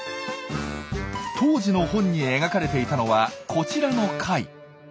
当時の本に描かれていたのはこちらの貝。